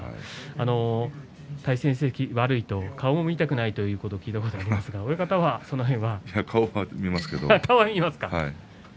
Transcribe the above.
対戦成績、悪いと顔も見たくないということを聞いたことがあるんですがいや、顔は見ますけど。